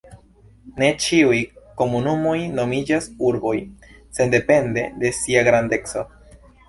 Ne ĉiuj komunumoj nomiĝas urboj, sendepende de sia grandeco.